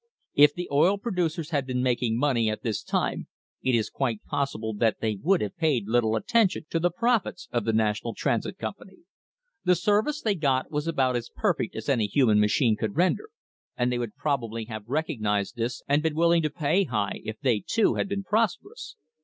If the oil producers had been making money at this time it is quite possible that they would have paid little attention to the profits of the National Transit Company. The service they got was about as perfect as any human machine could render, and they would probably have recog nised this and been willing to pay high if they too had been prosperous.